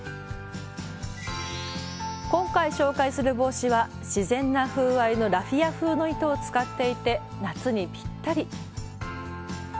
今回紹介する帽子は自然な風合いのラフィア風の糸を使っていて夏にぴったり。